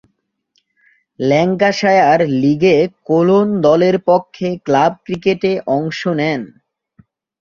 Lancashire লীগে Colne দলের পক্ষে ক্লাব ক্রিকেটে অংশ নেন।